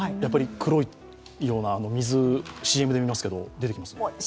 黒いような水、ＣＭで見ますけど、出てきます？